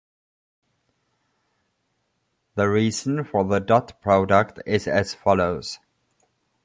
The reason for the dot product is as follows.